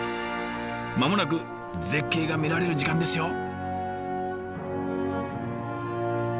間もなく絶景が見られる時間ですよ。